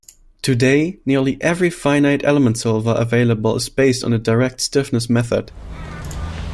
Today, nearly every finite element solver available is based on the direct stiffness method.